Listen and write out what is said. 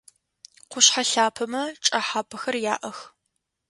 Къушъхьэ лъапэмэ чӏэхьапэхэр яӏэх.